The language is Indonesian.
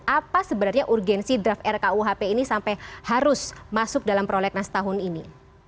apa sebenarnya urgensi draft rkuhp ini sampai harus masuk dalam prolegnas tahun ini